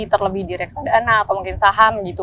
terlebih di reksadana atau mungkin saham gitu